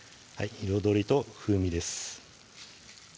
彩りと風味です